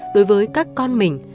đối với các con mình